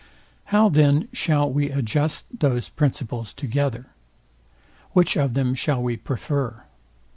How then shall we adjust those principles together? Which of them shall we prefer?